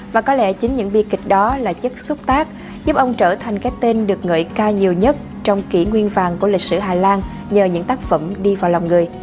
và có lẽ chính những bi kịch đó là chất xúc tác giúp ông trở thành cái tên được ngợi ca nhiều nhất trong kỷ nguyên vàng của lịch sử hà lan nhờ những tác phẩm đi vào lòng người